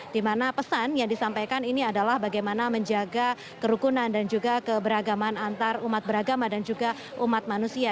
dimana pesan yang disampaikan ini adalah bagaimana menjaga kerukunan dan juga keberagaman antar umat beragama dan juga umat manusia